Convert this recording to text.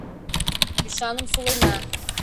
Ӱшаным сулена